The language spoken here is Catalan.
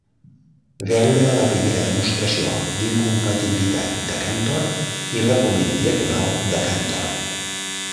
Veure la primera demostració d'incompatibilitat de Cantor i l'argument diagonal de Cantor.